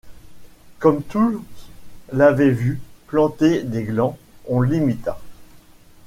Comme tous l'avaient vu planter des glands, on l'imita.